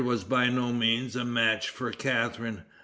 was by no means a match for Catharine.